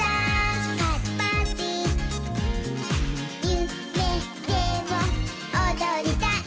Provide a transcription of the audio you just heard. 「ゆめでもおどりたい」